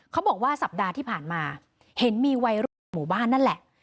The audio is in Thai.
เขาบอกว่าสัปดาห์ที่ผ่านมาเห็นมีวัยรุ่นจากหมู่บ้านนั่นแหละ